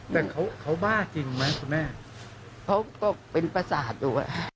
แต่เขาบ้าจริงไหมคุณแม่เขาก็เป็นประสาทอยู่